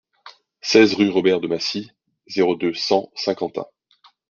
seize rue Robert de Massy, zéro deux, cent Saint-Quentin